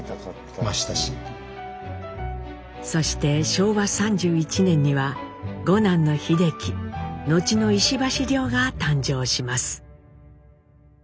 そして昭和３１年には五男の秀樹後の石橋凌が誕生します。